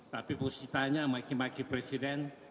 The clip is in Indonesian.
tapi posisinya makin makin presiden